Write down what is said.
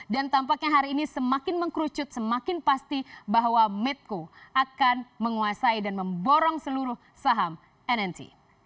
dan tampaknya hari ini semakin mengkrucut semakin pasti bahwa medco akan menguasai dan memborong seluruh saham nnt